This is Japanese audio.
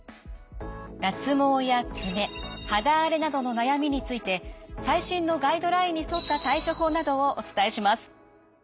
脱毛や爪肌荒れなどの悩みについて最新のガイドラインに沿った対処法などをお伝えします。